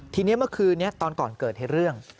ทีนี้เมื่อคืนนี้ตอนก่อนเกิดเหตุเรื่อง